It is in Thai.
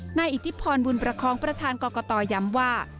อิทธิพรบุญประคองประธานกรกตย้ำว่า